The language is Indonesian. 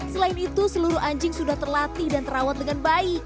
selain itu seluruh anjing sudah terlatih dan terawat dengan baik